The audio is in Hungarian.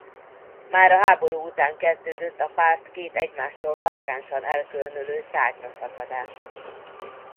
Már a háború után kezdődött a párt két egymástól markánsan elkülönülő szárnyra szakadása.